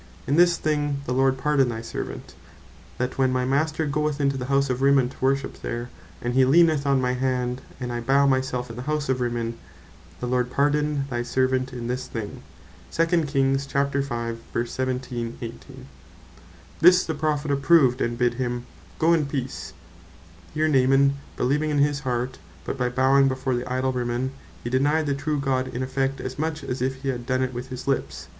In this thing the Lord pardon thy servant, that when my Master goeth into the house of Rimmon to worship there, and he leaneth on my hand, and I bow my selfe in the house of Rimmon; when I bow my selfe in the house of Rimmon, the Lord pardon thy servant in this thing." This the Prophet approved, and bid him "Goe in peace." Here Naaman beleeved in his heart; but by bowing before the Idol Rimmon, he denyed the true God in effect, as much as if he had done it with his lips.